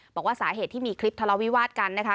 บอกว่าสาเหตุที่มีคลิปทะเลาวิวาสกันนะคะ